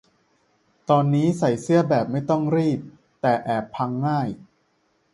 ตอนนี้ใส่เสื้อแบบไม่ต้องรีด แต่แอบพังง่าย